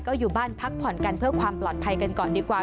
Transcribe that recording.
ก็อยู่บ้านพักผ่อนกันเพื่อความปลอดภัยกันก่อนดีกว่า